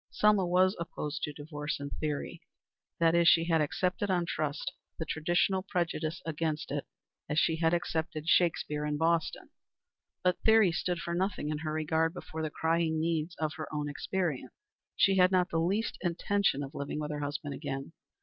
Selma was opposed to divorce in theory. That is, she had accepted on trust the traditional prejudice against it as she had accepted Shakespeare and Boston. But theory stood for nothing in her regard before the crying needs of her own experience. She had not the least intention of living with her husband again.